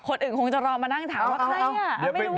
คนอื่นคงจะรอมานั่งถามว่าใครเนี่ย